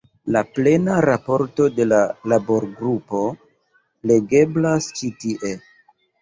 La plena raporto de la laborgrupo legeblas ĉi tie.